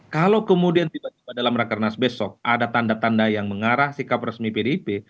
kalau kemudian tiba tiba dalam rakernas besok ada tanda tanda yang mengarah sikap resmi pdip